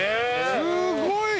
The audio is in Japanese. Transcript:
すごい！